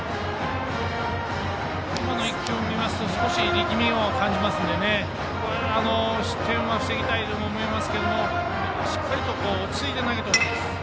今の１球を見ますと少し力みを感じますのでここは、失点は防ぎたいと思いますがしっかりと落ち着いて投げてほしいです。